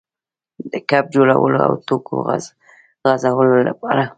د ګپ جوړولو او ټوکو غځولو لپاره.